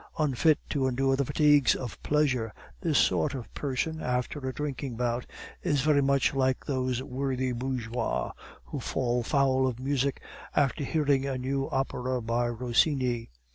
Unfit to endure the fatigues of pleasure, this sort of person, after a drinking bout, is very much like those worthy bourgeois who fall foul of music after hearing a new opera by Rossini.